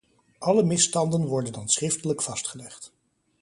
Alle misstanden worden dan schriftelijk vastgelegd.